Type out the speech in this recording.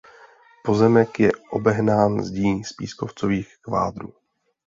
Pozemek je obehnán zdí z pískovcových kvádrů.